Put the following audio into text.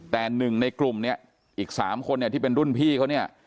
แต่หนึ่งในกลุ่มเนี่ยอีก๓คนเนี่ยที่เป็นรุ่นพี่เขาเนี่ย